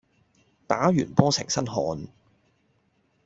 打完波成身汗